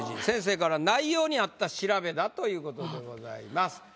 先生から「内容に合った調べ！」だということでございます。